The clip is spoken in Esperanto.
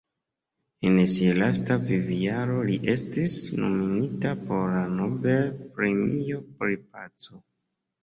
En sia lasta vivjaro li estis nomumita por la Nobel-premio pri paco.